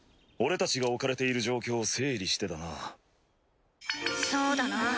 俺たちが置かれている状況を整理してだな。